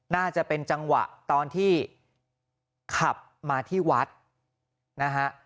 น่าจะเป็นจังหวะตอนที่ขับมาที่วัดนะฮะ